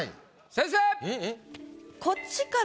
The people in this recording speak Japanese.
先生！